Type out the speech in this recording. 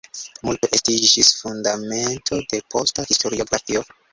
Multo estiĝis fundamento de posta historiografio.